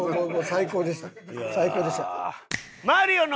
最高でした。